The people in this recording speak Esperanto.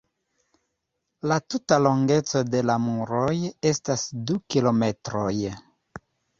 La tuta longeco de la muroj estas du kilometroj.